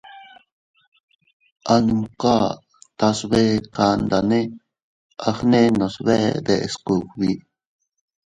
A numka tas bee kandane a gnenos bee deʼes kugbi.